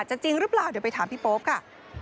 เดี๋ยวไปถามพี่โป๊ฟก่ะ